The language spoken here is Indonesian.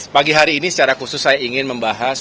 pagi hari ini secara khusus saya ingin membahas